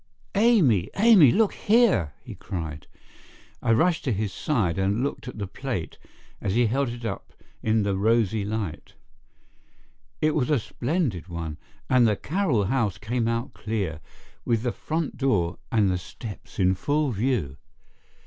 "Amy, Amy, look here!" he cried. I rushed to his side and looked at the plate as he held it up in the rosy light. It was a splendid one, and the Carroll house came out clear, with the front door and the steps in full view.